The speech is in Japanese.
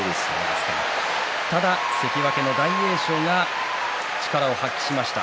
ただ、関脇の大栄翔が力を発揮しました。